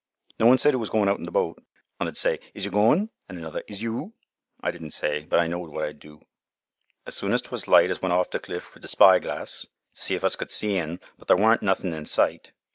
No one said who was goin' out in th' boat. Un 'ud say, 'Is you goin'?' An' another, 'Is you?' I didn' say, but I knowed what I'd do. "As soon as 'twas light us went to th' cliff wi' th' spy glass to see if us could see un, but thar warn't nothin' in sight.